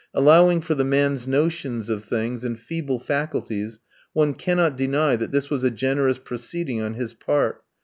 Allowing for the man's notions of things, and feeble faculties, one cannot deny that this was a generous proceeding on his part.